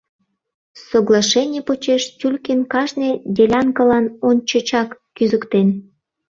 — Соглашений почеш Тюлькин кажне делянкылан ончычак кӱзыктен.